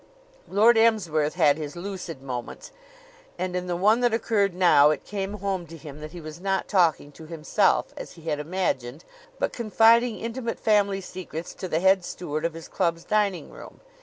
Lord Emsworth had his lucid moments; and in the one that occurred now it came home to him that he was not talking to himself, as he had imagined, but confiding intimate family secrets to the head steward of his club's dining room.